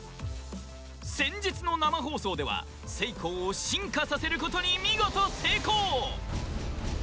先日の生放送ではセイコーを進化させることに見事成功！